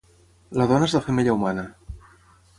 La dona és la femella humana.